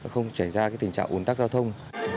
không trải ra tình trạng uốn tắc giao thông